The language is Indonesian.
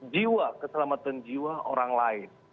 jiwa keselamatan jiwa orang lain